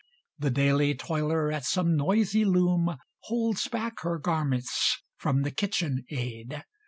The daily toiler at some noisy loom Holds back her garments from the kitchen aid.